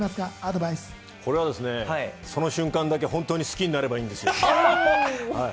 その瞬間だけほんとに好きになればいいんですよ。